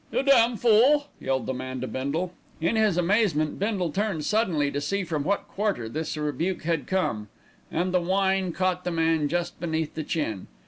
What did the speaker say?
"You damn fool!" yelled the man to Bindle. In his amazement Bindle turned suddenly to see from what quarter this rebuke had come, and the wine caught the man just beneath the chin.